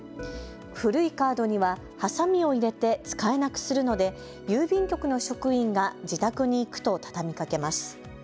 古いカードにはハサミを入れて使えなくするので郵便局の職員が自宅に行くと畳みかけます。